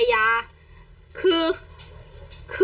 เดี๋ยวลองฟังดูนะครับ